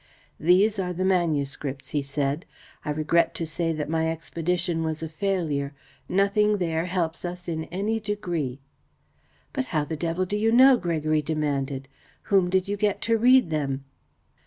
"These are the manuscripts," he said. "I regret to say that my expedition was a failure. Nothing there helps us in any degree." "But how the devil do you know?" Gregory demanded. "Whom did you get to read them?"